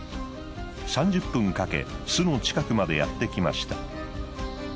３０分かけ巣の近くまでやってきました。